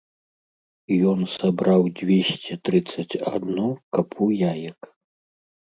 Ён сабраў дзвесце трыццаць адну капу яек.